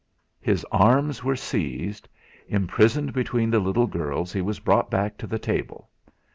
His arms were seized; imprisoned between the little girls he was brought back to the table.